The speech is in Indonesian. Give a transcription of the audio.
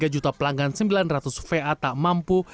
tiga juta pelanggan sembilan ratus va tak mampu